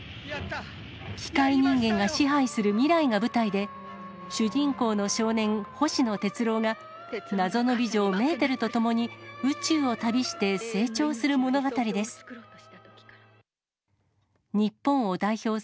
機械人間が支配する未来が舞台で、主人公の少年、星野鉄郎が謎の美女、メーテルと共に、宇宙を旅して成長する物語です。